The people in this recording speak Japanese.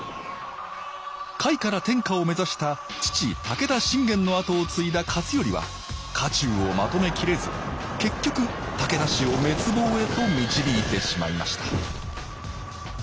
甲斐から天下を目指した父武田信玄の跡を継いだ勝頼は家中をまとめきれず結局武田氏を滅亡へと導いてしまいました